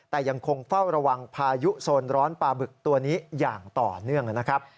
แต่ยังคงเฝ้าระวังพายุโซนร้อนปลาบึกตัวนี้อย่างต่อเนื่องนะครับ